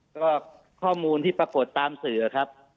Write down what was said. ก็ข้อมูลที่ปรากฏตามสื่อครับ